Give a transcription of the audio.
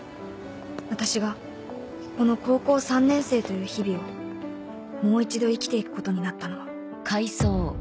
私がこの高校３年生という日々をもう一度生きていくことになったのは